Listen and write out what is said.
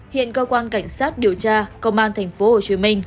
hiện công an cảnh sát điều tra công an tp hcm